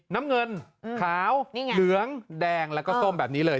น้ำเงินขาวเหลืองแดงแล้วก็ส้มแบบนี้เลย